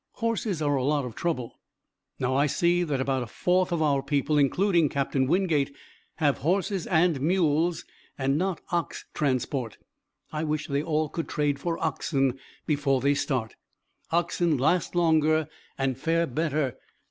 Horses are a lot of trouble. "Now, I see that about a fourth of our people, including Captain Wingate, have horses and mules and not ox transport. I wish they all could trade for oxen before they start. Oxen last longer and fare better.